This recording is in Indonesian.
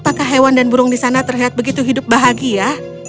apakah hewan dan burung di sana terlihat begitu hidup bahagia